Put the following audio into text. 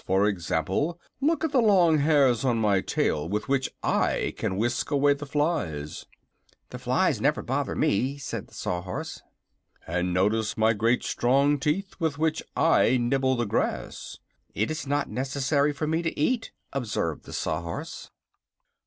For example, look at the long hairs on my tail, with which I can whisk away the flies." "The flies never trouble me," said the Saw Horse. "And notice my great strong teeth, with which I nibble the grass." "It is not necessary for me to eat," observed the Saw horse.